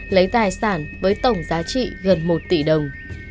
lấy tài sản với tổng giá trị gần một tỷ đồng